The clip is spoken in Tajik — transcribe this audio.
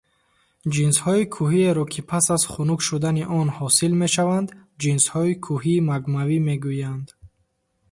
Ҷинсҳои кӯҳиеро, ки пас аз хунук шудани он ҳосил мешаванд, ҷинсҳои кӯҳии магмавӣ мегӯянд.